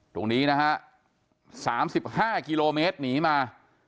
ตรงนี้นะฮะ๓๕กิโลเมตรหนีมา